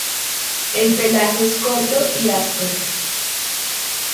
El pelaje es corto y áspero.